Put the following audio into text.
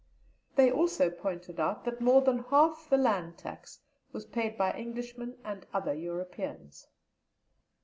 They also pointed out that more than half the land tax was paid by Englishmen and other Europeans.